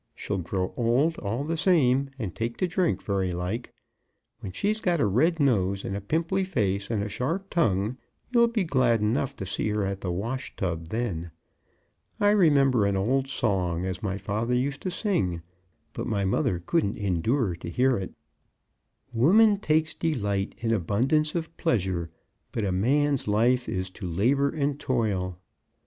She'll grow old all the same, and take to drink very like. When she's got a red nose and a pimply face, and a sharp tongue, you'd be glad enough to see her at the wash tub then. I remember an old song as my father used to sing, but my mother couldn't endure to hear it. Woman takes delight in abundance of pleasure, But a man's life is to labour and toil.